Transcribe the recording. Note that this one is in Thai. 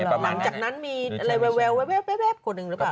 หลังจากนั้นมีอะไรแววคนหนึ่งหรือเปล่า